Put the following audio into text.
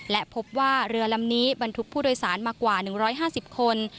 และพบว่าเรือลำนี้บรรทุกผู้โดยสารมากว่า๑๕๐คน